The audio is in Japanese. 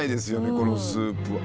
このスープは。